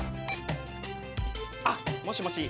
あっもしもし。